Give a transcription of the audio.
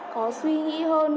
có suy nghĩ hơn